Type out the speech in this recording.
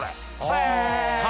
はい。